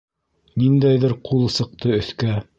Ниндәйҙер ҡул сыҡты өҫкә.